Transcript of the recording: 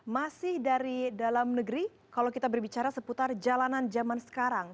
masih dari dalam negeri kalau kita berbicara seputar jalanan zaman sekarang